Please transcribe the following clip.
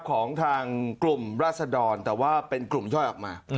ของทางกลุ่มราศดรแต่ว่าเป็นกลุ่มย่อยออกมา